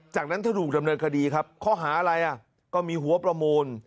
จากนั้นเธอถูกดำเนินคดีครับข้อหาอะไรอ่ะก็มีหัวประมูล